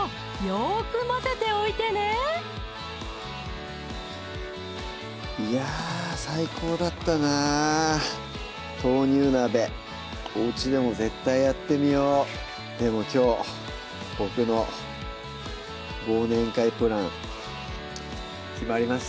よく混ぜておいてねいや最高だったな「豆乳鍋」おうちでも絶対やってみようでもきょう僕の忘年会プラン決まりましたね